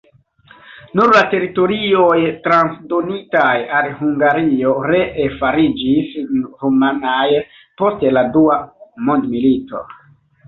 Nur la teritorioj transdonitaj al Hungario ree fariĝis rumanaj post la dua mondmilito.